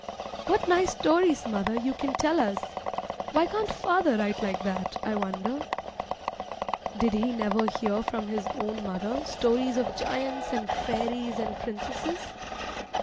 What nice stories, mother, you can tell us! Why can't father write like that, I wonder? Did he never hear from his own mother stories of giants and fairies and princesses?